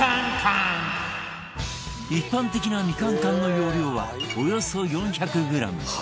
一般的なみかん缶の容量はおよそ４００グラム